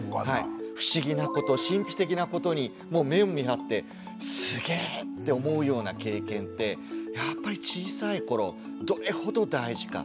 不思議なこと神秘的なことに目を見張ってすげえって思うような経験ってやっぱり小さいころどれほど大事か。